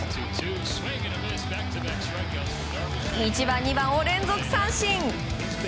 １番、２番を連続三振！